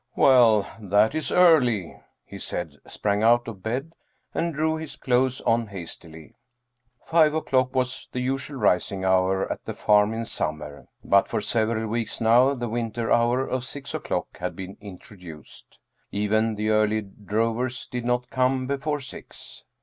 " Well, that is early," he said, sprang out of bed, and drew his clothes on hastily. Five o'clock was the usual rising hour at the farm in summer, but for several weeks now the winter hour of six o'clock had been introduced. Even the early drovers did not come before six.